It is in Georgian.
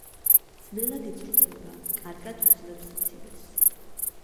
ძნელად იწვრთნება, კარგად უძლებს სიცივეს.